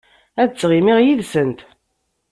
Ad ttɣimiɣ yid-sent.